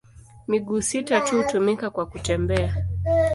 Miguu sita tu hutumika kwa kutembea.